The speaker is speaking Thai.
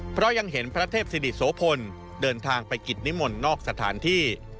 เพราะยังเห็นพระเทพศิริโสพลเดินทางไปกิจนิมนต์นอกสถานที่